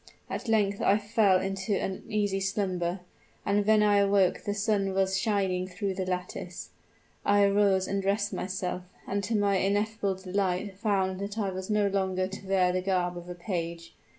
At length I fell into an uneasy slumber, and when I awoke the sun was shining through the lattice. I arose and dressed myself, and to my ineffable delight found that I was no longer to wear the garb of a page.